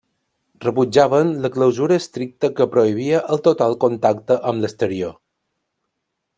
Rebutjaven la clausura estricta que prohibia el total contacte amb l'exterior.